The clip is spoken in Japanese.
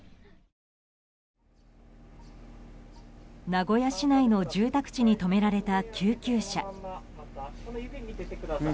名古屋市内の住宅地に止められた救急車。